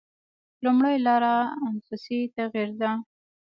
لومړۍ لاره انفسي تغییر ده.